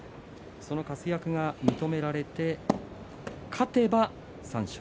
その活躍が認められて勝てば三賞。